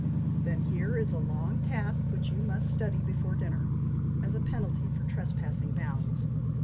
"Then here is a long task which you must study before dinner, as a penalty for trespassing bounds.